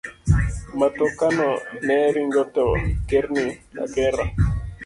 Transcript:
Matokano ne ringo to kerni akera.